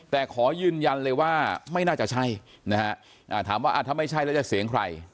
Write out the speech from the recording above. แต่ขอยืนยันเลยว่าไม่น่าจะใช่นะฮะถามว่าถ้าไม่ใช่แล้วจะเสียงใคร